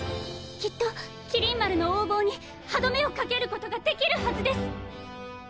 きっと麒麟丸の横暴に歯止めをかけることができるはずです！